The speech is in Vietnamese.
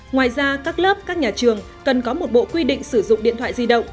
ngoài ra các lớp các nhà trường cần có một bộ quy định sử dụng điện thoại di động